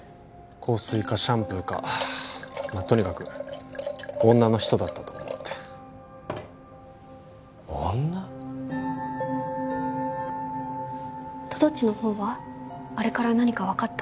香水かシャンプーかとにかく女の人だったと思うって女？とどっちのほうはあれから何か分かった？